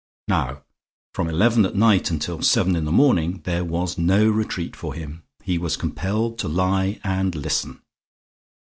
Now from eleven at night until seven in the morning there was no retreat for him. He was compelled to lie and listen.